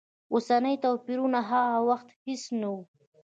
اوسني توپیرونه هغه وخت هېڅ نه و.